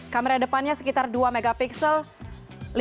kamera depannya sekitar dua megapiksel